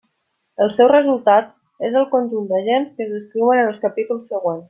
El seu resultat és el conjunt d'agents que es descriuen en els capítols següents.